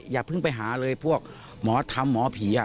อย่าเพิ่งไปหาเลยพวกหมอธรรมหมอผี